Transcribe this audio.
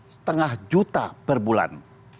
setengah juta per bulan